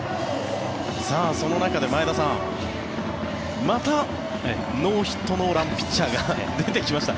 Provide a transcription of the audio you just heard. その中で前田さんまたノーヒット・ノーランピッチャーが出てきました。